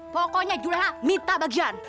pokoknya julia minta bagian